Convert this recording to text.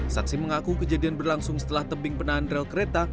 saksi mengaku kejadian berlangsung setelah tebing penahan rel kereta